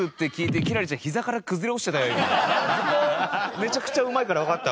めちゃくちゃうまいからわかった。